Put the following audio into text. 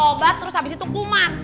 tobat terus abis itu kumat